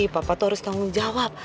papa tuh harus tanggung jawab